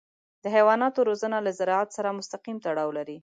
د حیواناتو روزنه له زراعت سره مستقیم تړاو لري.